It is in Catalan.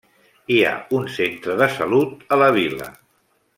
Hi ha un centre de salut a la vila.